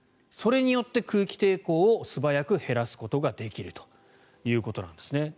それによって空気抵抗を素早く減らすことができるということなんですね。